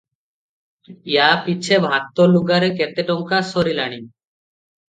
ୟା ପିଛେ ଭାତ ଲୁଗାରେ କେତେ ଟଙ୍କା ସାରିଲିଣି?